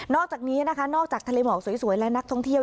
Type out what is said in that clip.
อกจากนี้นะคะนอกจากทะเลหมอกสวยและนักท่องเที่ยว